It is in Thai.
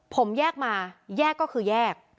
ผมแยกมาแยกก็คือแยก